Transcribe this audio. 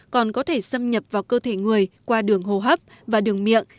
còn có thể xâm nhập vào cơ thể người qua đường hô hấp và đường miệng